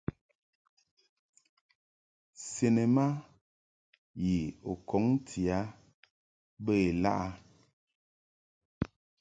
Cinema yi u kɔŋ ti a bə ilaʼ ?